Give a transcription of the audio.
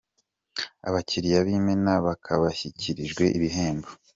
Abakiliya b’imena ba bashyikirijwe ibihembo